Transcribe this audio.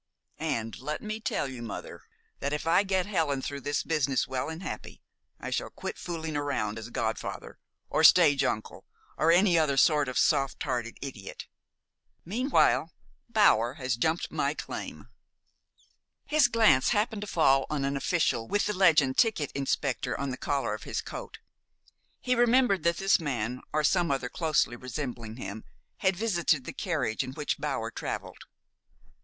And let me tell you, mother, that if I get Helen through this business well and happy, I shall quit fooling round as godfather, or stage uncle, or any other sort of soft hearted idiot. Meanwhile, Bower has jumped my claim." His glance happened to fall on an official with the legend "Ticket Inspector" on the collar of his coat. He remembered that this man, or some other closely resembling him, had visited the carriage in which Bower traveled.